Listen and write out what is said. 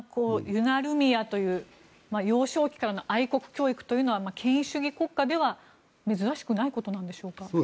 ユナルミヤという幼少期からの愛国教育というのは権威主義国家では珍しくないことなのでしょうか。